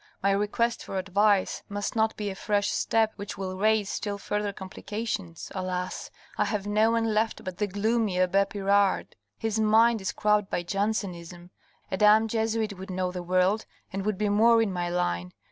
My request for advice must not be a fresh step which will raise still further complications. Alas ! I have no one left but the gloomy abbe Pirard. His mind is crabbed by Jansen ism. ... A damned Jesuit would know the world, and would be more in my line.